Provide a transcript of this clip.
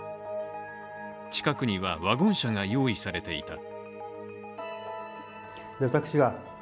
近くにはワゴン車が用意されていた。